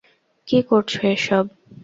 কী করছো এসব?